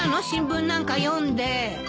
新聞なんか読んで。